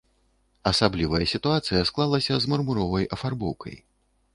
Асаблівая сітуацыя склалася з мармуровай афарбоўкай.